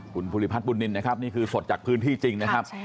คุณภูริพัฒนบุญนินนะครับนี่คือสดจากพื้นที่จริงนะครับ